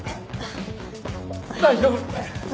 大丈夫！